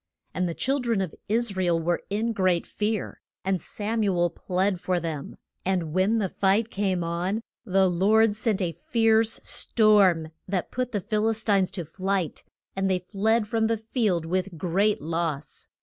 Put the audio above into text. And the chil dren of Is ra el were in great fear, and Sam u el plead for them, and when the fight came on the Lord sent a fierce storm that put the Phil is tines to flight, and they fled from the field with great loss.